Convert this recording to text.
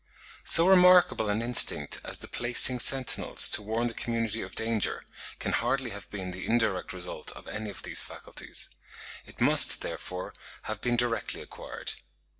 So remarkable an instinct as the placing sentinels to warn the community of danger, can hardly have been the indirect result of any of these faculties; it must, therefore, have been directly acquired.